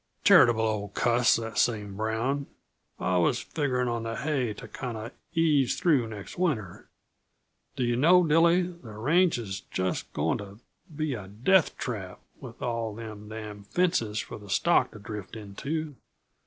"Charitable old cuss that same Brown! I was figuring on the hay to kinda ease through next winter. Do yuh know, Dilly, the range is just going t' be a death trap, with all them damn fences for the stock to drift into.